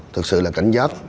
thực sự là cảnh giác